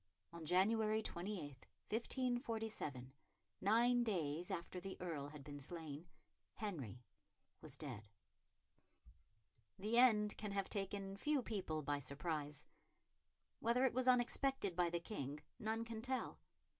On January 28, 1547, nine days after the Earl had been slain, Henry was dead. The end can have taken few people by surprise. Whether it was unexpected by the King none can tell.